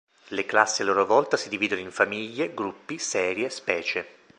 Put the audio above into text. Le classi a loro volta si dividono in famiglie, gruppi, serie, specie.